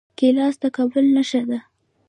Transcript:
ګیلاس د کابل نښه ده.